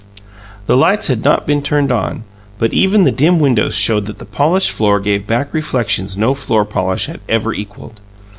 The lights had not been turned on; but even the dim windows showed that the polished floor gave back reflections no floor polish had ever equalled.